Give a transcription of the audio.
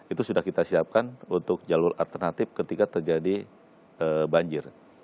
itu sudah kita siapkan untuk jalur alternatif ketika terjadi banjir